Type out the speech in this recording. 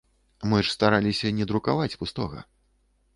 Мы ж стараліся не друкаваць пустога.